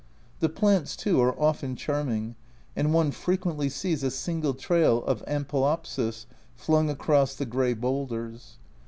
The plants, too, are often charming, and one frequently sees a single trail of ampelopsis flung across the grey boulders.